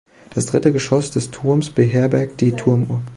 Das dritte Geschoss des Turms beherbergt die Turmuhr.